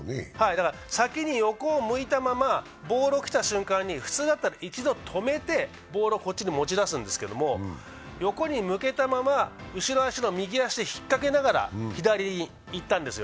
先に横を向いたままボールを受けた瞬間に普通だったら一度止めてボールをこっちに持ち出すんですけど、横に向けたまま、後ろ足の右足で引っかけながら左に行ったんですよ。